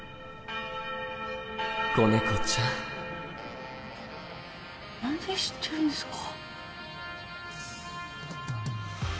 子猫ちゃん何で知ってるんですか？